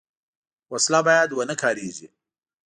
وسله باید ونهکارېږي